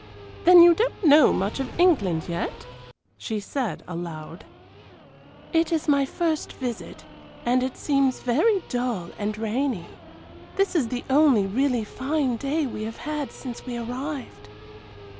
"Then you don't know much of England yet?" she said, aloud. "It is my first visit; and it seems very dull and rainy. This is the only really fine day we have had since we arrived."